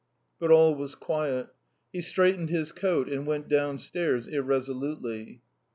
But all was quiet. He straightened his coat and went downstairs irresolutely.